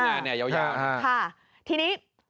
สวัสดีครับ